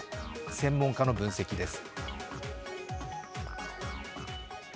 専門家の分析です。